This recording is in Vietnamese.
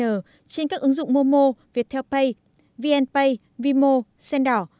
trên các ứng dụng momo viettel pay vnpay vimo sendar